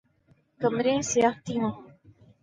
کمریں سیاہ تھیں وہاں